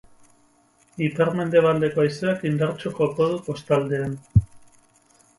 Ipar-mendebaldeko haizeak indartsu joko du kostaldean.